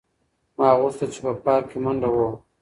ما غوښتل چې په پارک کې منډه وهم.